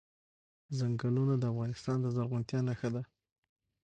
چنګلونه د افغانستان د زرغونتیا نښه ده.